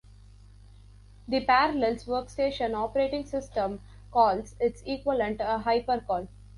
The Parallels Workstation operating system calls its equivalent a "hypercall".